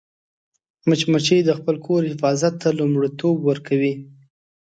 مچمچۍ د خپل کور حفاظت ته لومړیتوب ورکوي